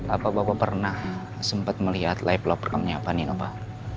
apa bapak pernah sempat melihat live lopernya panino pak